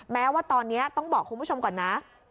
แม้ว่าตอนนี้ต้องบอกคุณผู้ชมก่อนนะ